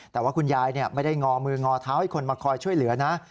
แต่ว่าคุณยายไม่ได้งอมืองอเท้าให้คนมาคอยช่วยเหลือนะ